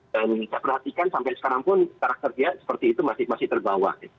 dan saya perhatikan sampai sekarang pun karakter dia seperti itu masih terbawa